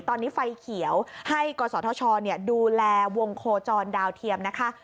ตอนนี้ไฟเขียวให้กศธชดูแลวงโคจรดาวเทียมนะคะ